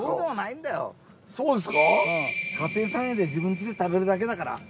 家庭菜園で自分家で食べるだけだから。